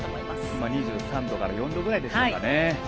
今２３度から２４度ぐらいでしょうかね。